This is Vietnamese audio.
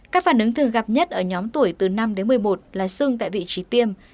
các phản ứng thường gặp nhất ở nhóm tuổi từ năm đến một mươi một là sưng tại vị trí tiêm